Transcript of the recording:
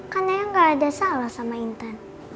kan eyang gak ada salah sama intan